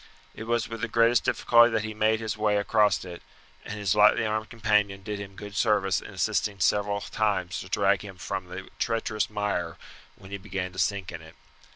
It was with the greatest difficulty that he made his way across it, and his lightly armed companion did him good service in assisting several times to drag him from the treacherous mire when he began to sink in it.